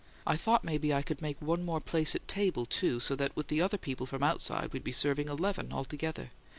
I thought maybe I could make one more place at table, too, so that with the other people from outside we'd be serving eleven altogether.